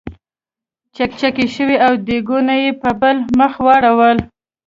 چکچکې شوې او دیګونه یې په بل مخ واړول.